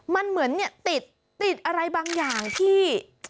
มันเหมือนติดอะไรบางอย่างที่